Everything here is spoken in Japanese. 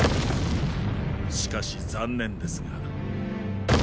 しかし残念ですが。